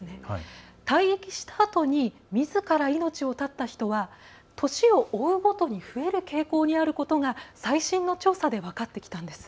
退役したあとにみずから命を絶った人は年を追うごとに増える傾向にあることが最新の調査で分かってきたんです。